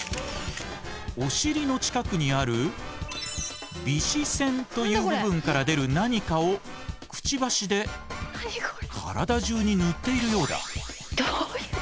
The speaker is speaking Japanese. お尻の近くにある尾脂腺という部分から出る何かをクチバシで体中に塗っているようだ。